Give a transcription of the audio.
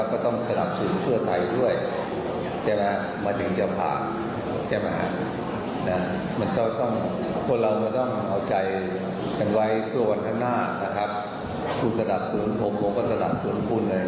คุณสะดัดศูนย์ผมผมก็สะดัดศูนย์คุณเลย